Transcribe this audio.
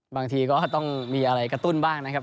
บางทีก็ต้องมีอะไรกระตุ้นบ้างนะครับ